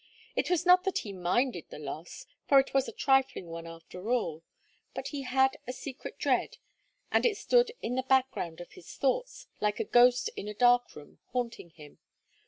It was not that he minded the loss, for it was a trifling one after all; but be had a secret dread, and it stood in the background of his thoughts, like a ghost in a dark room, haunting him.